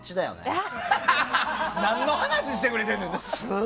何の話をしてくれてるの？